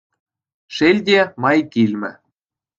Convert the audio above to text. Шел те, май килмӗ.